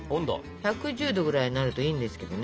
１１０℃ぐらいになるといいんですけどね。